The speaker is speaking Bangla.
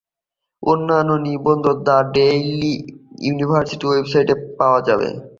অন্যান্য নিবন্ধ "দ্য ডেইলি ইউনিভার্স" ওয়েবসাইটে পাওয়া যাবে।